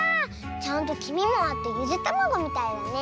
ちゃんときみもあってゆでたまごみたいだね。